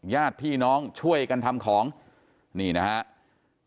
ญาติพี่น้องช่วยกันทำของนี่นะครับ